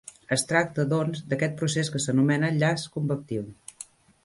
Es tracta, doncs, d'aquest procés que s'anomena llaç convectiu.